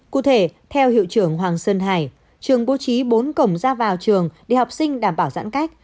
cụ thể theo hiệu trưởng hoàng sơn hải trường bố trí bốn cổng ra vào trường để học sinh đảm bảo giãn cách